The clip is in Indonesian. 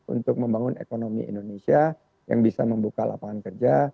untuk membangun ekonomi indonesia yang bisa membuka lapangan kerja